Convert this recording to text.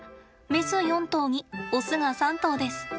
メス４頭にオスが３頭です。